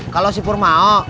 kalau si pur mau